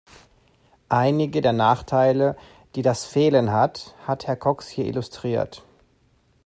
Einige der Nachteile, die das Fehlen hat, hat Herr Cox hier illustriert.